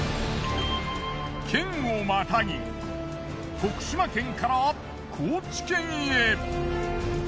県をまたぎ徳島県から高知県へ。